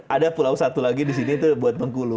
ada pulau satu lagi di sini tuh buat mengkulu